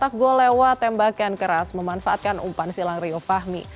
tak gol lewat tembakan keras memanfaatkan umpan silang rio fahmi